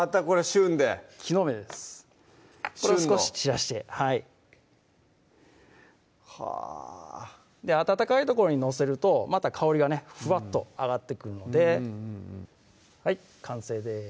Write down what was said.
旬のこれを少し散らしてはぁ温かいところに載せるとまた香りがねフワッと上がってくるのでうんうんうんはい完成です